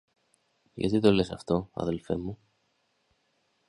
Γιατί το λες αυτό, αδελφέ μου;